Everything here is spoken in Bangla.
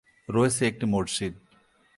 রয়েছে একটি মসজিদ।